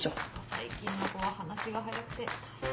最近の子は話が早くて助かる。